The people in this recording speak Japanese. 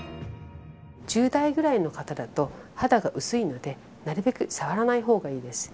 １０代ぐらいの方だと肌が薄いのでなるべく触らない方がいいです。